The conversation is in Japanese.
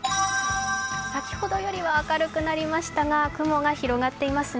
先ほどよりは明るくなりましたが雲が広がっていますね。